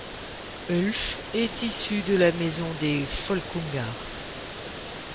Ulf est issu de la maison des Folkungar.